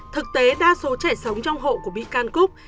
thực tế đa số trẻ sống trong hộ của bị can cúc